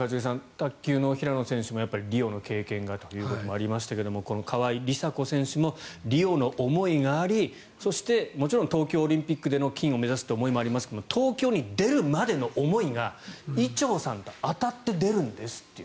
卓球の平野選手もやっぱりリオの経験がということもありましたがこの川井梨紗子選手もリオの思いがありそして、もちろん東京オリンピックでの金を目指すという思いもありましたが東京に出るまでの思いが伊調さんと当たって出るんですっていう。